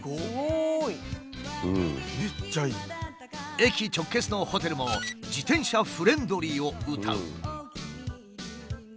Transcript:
駅直結のホテルも自転車フレンドリーをうたう。